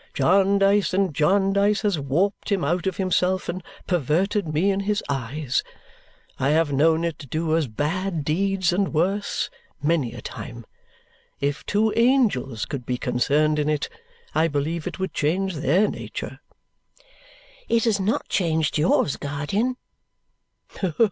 Jarndyce and Jarndyce has warped him out of himself and perverted me in his eyes. I have known it do as bad deeds, and worse, many a time. If two angels could be concerned in it, I believe it would change their nature." "It has not changed yours, guardian."